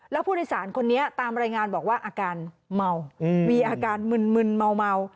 แล้วผู้โดยสารคนนี้ตามรายงานบอกว่าอาการเมามีอาการมึนเมา